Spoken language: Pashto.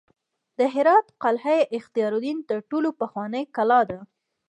د هرات قلعه اختیارالدین تر ټولو پخوانۍ کلا ده